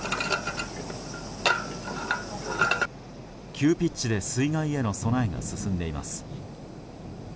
急ピッチで水害への備えが進んでいます。